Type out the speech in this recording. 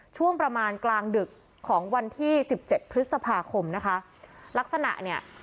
ช่วงประมาณกลางดึกของวันที่สิบเจ็ดพฤษภาคมนะคะลักษณะเนี่ย